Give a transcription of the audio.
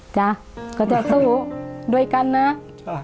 ใช่ก็จะสู้ด้วยกันนะค่ะใช่